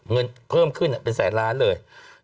เงินเพิ่มขึ้นเป็นแสนล้านเลย